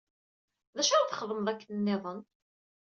D acu ara txedmeḍ akken nniḍen?